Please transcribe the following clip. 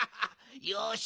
よし。